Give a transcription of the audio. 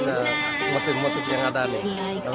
dan motif motif yang ada